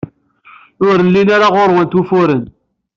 Ur llin ara ɣer-went wufuren.